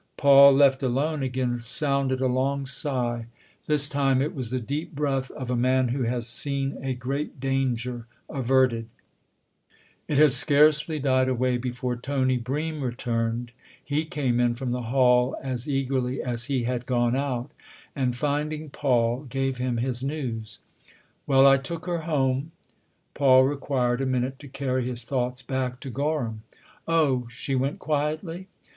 Paul, left alone, again sounded a long sigh ; this time it was the deep breath of a man who has seen a great danger averted. It had 316 THE OTHER HOUSE scarcely died away before Tony Bream returned. He came in from the hall as eagerly as he had gone out, and, finding Paul, gave him his news :" Well I took her home." Paul required a minute to carry his thoughts back to Gorham. " Oh, she went quietly